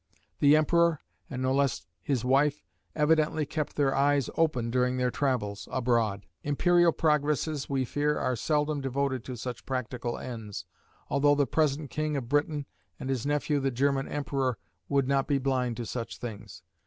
The emperor, and no less his wife, evidently kept their eyes open during their travels abroad. Imperial progresses we fear are seldom devoted to such practical ends, although the present king of Britain and his nephew the German emperor would not be blind to such things.